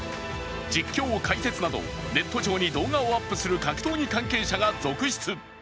実況、解説など、ネット上に動画をアップする格闘技関係者が続出。